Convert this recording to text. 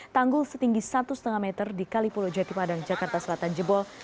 tanggul setinggi satu lima meter di kali pulau jati padang jakarta selatan jebol